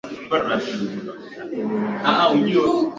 bwana kingu lakini katika siku za karibuni kumekuwa na na vita